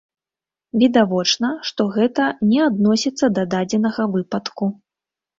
Відавочна, што гэта не адносіцца да дадзенага выпадку.